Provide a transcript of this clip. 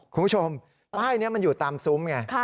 คุณผู้ชมป้ายนี้มันอยู่ตามซุ้มไง